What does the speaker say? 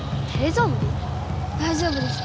だいじょうぶですか？